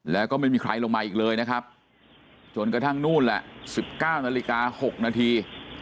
แล้วก็ไม่มีใครลงมาอีกเลยนะครับจนกระทั่งนู่นแหละ๑๙นาฬิกา๖นาที